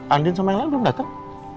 andin sama yang lain belum datang